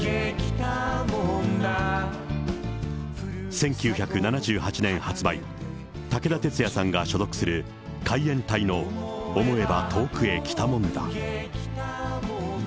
１９７８年発売、武田鉄矢さんが所属する海援隊の思えば遠くへ来たもんだ。